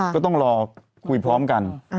ก็ต้องรอคุยพร้อมกัน